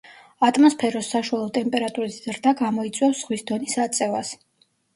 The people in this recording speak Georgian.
ატმოსფეროს საშუალო ტემპერატურის ზრდა გამოიწვევს ზღვის დონის აწევას.